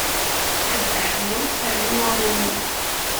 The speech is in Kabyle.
A Dda Ḥemmu rnu aɣummu.